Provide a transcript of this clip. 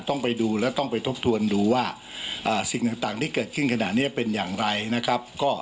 ต้องไปดูแล้วต้องไปทบทวนดูว่าสิ่งต่างที่เกิดขึ้นขณะนี้เป็นอย่างไรนะครับ